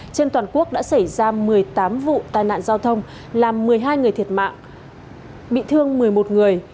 trên toàn quốc đã xảy ra một mươi tám vụ tai nạn giao thông làm một mươi hai người thiệt mạng bị thương một mươi một người